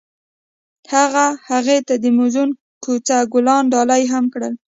هغه هغې ته د موزون کوڅه ګلان ډالۍ هم کړل.